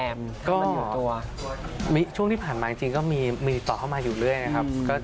คุณผู้ชมไม่เจนเลยค่ะถ้าลูกคุณออกมาได้มั้ยคะ